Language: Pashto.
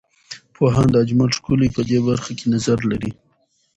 پوهاند اجمل ښکلی په دې برخه کې نظر لري.